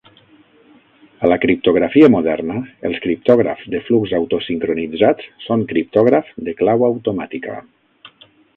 A la criptografia moderna, els criptògrafs de flux autosincronitzats són criptògraf de clau automàtica.